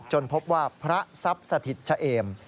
พบว่าพระทรัพย์สถิตชะเอม